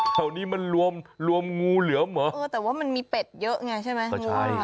แถวนี้มันรวมรวมงูเหลือมเหรอเออแต่ว่ามันมีเป็ดเยอะไงใช่ไหม